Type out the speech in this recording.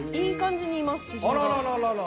あらららら。